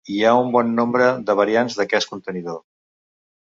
Hi ha un bon nombre de variants d'aquest contenidor.